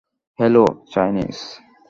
Hello, Chinese.